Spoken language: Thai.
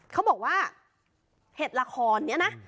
เขาบอกว่าเห็ดละครนี้นะ